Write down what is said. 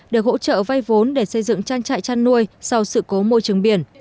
được hỗ trợ vay vốn để xây dựng trang trại chăn nuôi sau sự cố môi trường biển